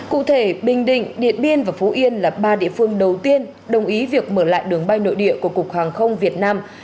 cụ thể bình định điện biên và phú yên là ba địa phương đầu tiên đồng ý việc mở lại đường bay nội địa của cục hàng không việt nam